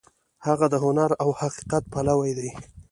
هغه د هنر او حقیقت پلوی دی.